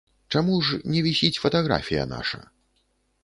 Чаму ж не вісіць фатаграфія наша?